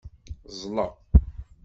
Ẓẓleɣ.